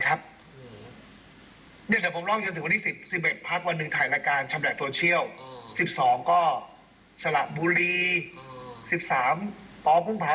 พอเพลงมันทำงานปั๊บมันก็ทำให้รู้สึกว่า